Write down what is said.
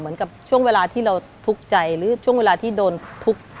เหมือนกับช่วงเวลาที่เราทุกข์ใจหรือช่วงเวลาที่โดนทุบ